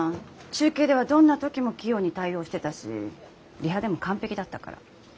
中継ではどんな時も器用に対応してたしリハでも完璧だったから。